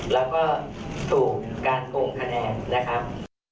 แล้วก็ถูกการโกงคะแนนนะครับ